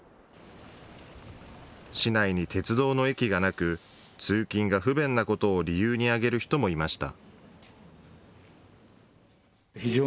市内に鉄道の駅がなく、通勤が不便なことを理由に挙げる人もいました。